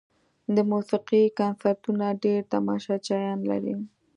د موسیقۍ کنسرتونه ډېر تماشچیان لري.